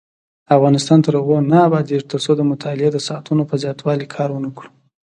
افغانستان تر هغو نه ابادیږي، ترڅو د مطالعې د ساعتونو په زیاتوالي کار ونکړو.